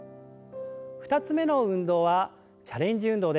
２つ目の運動はチャレンジ運動です。